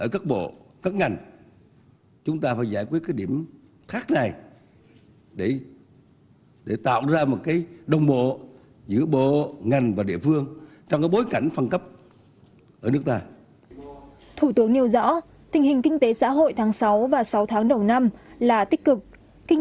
các báo cáo không nêu nhiều thành tích